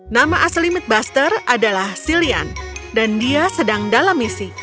nama asli mitbuster adalah silian dan dia sedang dalam misi